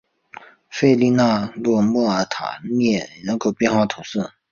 弗利讷莱莫尔塔涅人口变化图示